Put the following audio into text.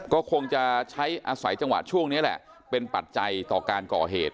ก็คงจะใช้อาศัยจังหวะช่วงนี้แหละเป็นปัจจัยต่อการก่อเหตุ